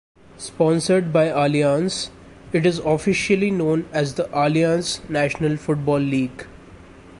Sponsored by Allianz, it is officially known as the Allianz National Football League.